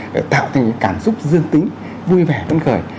để tạo thành cảm xúc dương tính vui vẻ vấn khởi